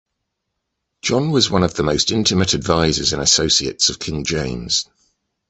John was one of the most intimate advisors and associates of King James.